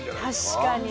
確かに。